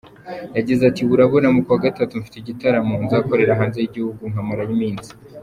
Yagize ati: "Urabona mu kwa gatatu mfite igitaramo nzakorera hanze y'igihugu nkamarayo iminsi.